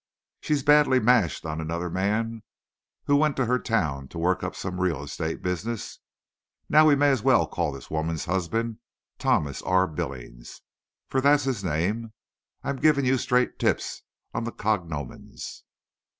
She's badly mashed on another man who went to her town to work up some real estate business. Now, we may as well call this woman's husband Thomas R. Billings, for that's his name. I'm giving you straight tips on the cognomens.